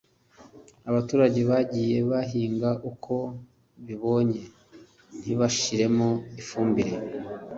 abaturage bagiye bahinga uko bibonye ntibashiremo ifumbire